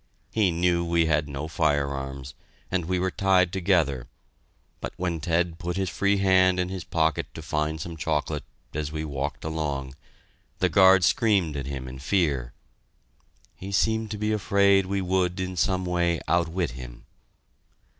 He knew we had no firearms, and we were tied together, but when Ted put his free hand in his pocket to find some chocolate, as we walked along, the guard screamed at him in fear. He seemed to be afraid we would in some way outwit him.